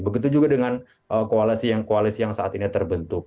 begitu juga dengan koalisi yang saat ini terbentuk